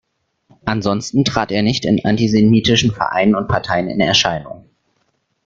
Ansonsten trat er nicht in antisemitischen Vereinen und Parteien in Erscheinung.